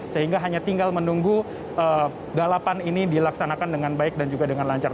sehingga hanya tinggal menunggu balapan ini dilaksanakan dengan baik dan juga dengan lancar